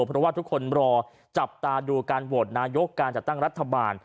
เพราะว่าทุกคนรอจับตาดูการโหวตนายกการจัดตั้งรัฐบาล